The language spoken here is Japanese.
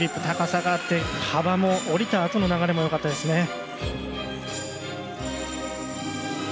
高さがあって幅も、降りたあとの流れもよかったですね。